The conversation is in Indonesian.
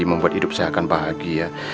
membuat hidup saya akan bahagia